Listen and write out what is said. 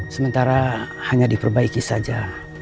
sementara hanya diperbaiki saja